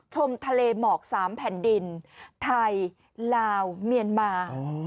ชมทะเลหมอก๓แผ่นดินไทยลาวเมียนมา